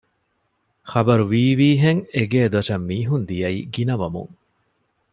ޚަބަރު ވީވީހެން އެގޭ ދޮށަށް މީހުން ދިޔައީ ގިނަވަމުން